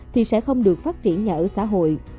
thì sẽ không được phát triển nhà ở xã hội